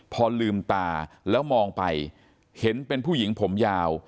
พอลืมตาแล้วมองไปเห็นเป็นผู้หญิงผมยาว